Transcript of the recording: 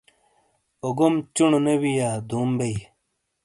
اوگوم چُونو نے وِیا دُوم بیئی۔